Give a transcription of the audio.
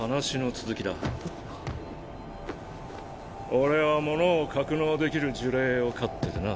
俺は物を格納できる呪霊を飼っててな。